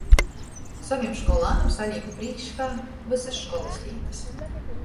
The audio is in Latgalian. Sovim školānim salīku prīškā vysys školys lītys.